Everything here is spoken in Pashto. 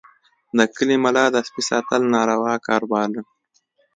د کلي ملا د سپي ساتل ناروا کار باله.